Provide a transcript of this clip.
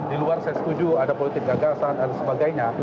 di luar saya setuju ada politik gagasan dan sebagainya